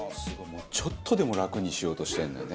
ちょっとでも楽にしようとしてるんだね作業をね。